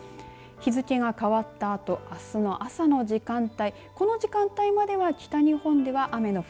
日付が変わったあとあすの朝の時間帯